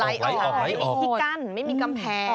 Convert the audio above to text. ไม่มีที่กั้นไม่มีกำแพง